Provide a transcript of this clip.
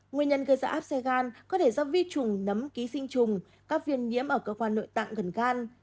nguyên nhân gây ra áp xe gan có thể do vi trùng nấm ký sinh trùng các viên nhiễm ở cơ quan nội tạng gần gan